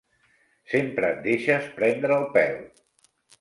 Sempre et deixes prendre el pèl.